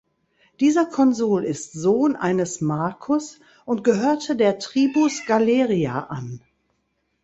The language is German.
Dieser Konsul ist Sohn eines "Marcus" und gehörte der "tribus Galeria" an.